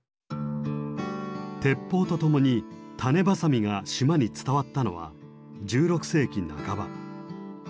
鉄砲と共に種子鋏が島に伝わったのは１６世紀半ば。